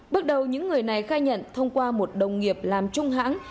bước đầu những người này khai nhận thông qua một đồng nghiệp làm trung hãng